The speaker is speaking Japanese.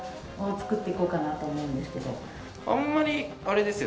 作っていこうかなと思うんですけど。